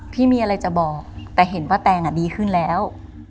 พี่มีอะไรจะบอกแต่เห็นป้าแตนดีขึ้นแล้ว